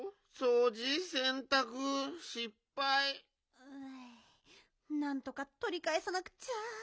うんなんとかとりかえさなくっちゃ。